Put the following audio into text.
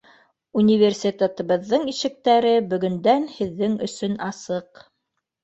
Университетыбыҙҙың ишектәре бөгөндән һеҙҙең өсөн асыҡ!